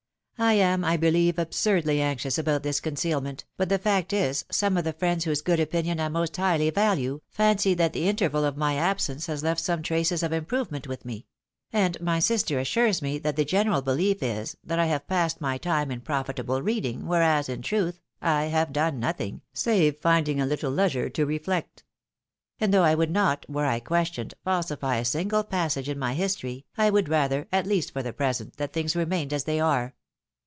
I am, I believe, absurdly anxious about this concealment, but the fact is, some of the friends whose good opinion I most highly value, fancy that the interval of my absence has left some traces of improve ment with me ; and my sister assures me that the general behef is, that I have passed my time in profitable reading, whereas, in truth, I have done nothing, save finding a little leisiu'e to reflect. And though I would not, were I questioned, falsify a single passage in my history, I would rather, at least for the present, that things remained as they are.